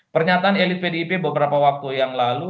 pernyataan elit pdip beberapa waktu yang lalu